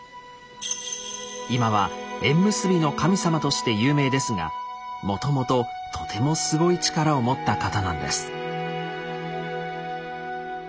今は「縁結びの神様」として有名ですがもともととてもすごい力を持った方なんです。